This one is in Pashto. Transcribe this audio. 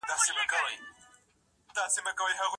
نړیواله ټولنه د ډیپلوماسۍ له لارې نړیوال نظم ساتي.